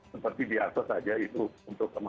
seperti di atas saja itu untuk masyarakat